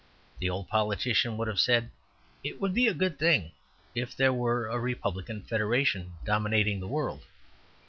The old politician would have said, "It would be a good thing if there were a Republican Federation dominating the world."